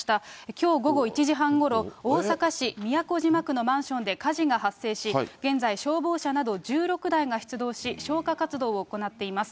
きょう午後１時半ごろ、大阪市都島区のマンションで火事が発生し、現在、消防車など１６台が出動し、消火活動を行っています。